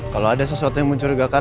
kalau ada sesuatu yang mencurigakan